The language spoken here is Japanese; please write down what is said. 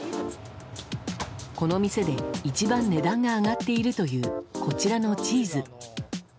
この店で一番値段が上がっているというこちらのチーズ。